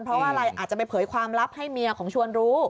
เพราะว่าอะไรอาจจะไปเผยความลับให้เมียของชวนรู้